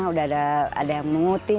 udah ada yang mengutin